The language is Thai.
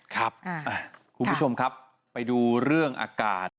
คุณผู้ชมครับไปดูเรื่องอากาศ